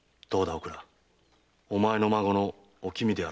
おくらお前の孫のおきみであろう。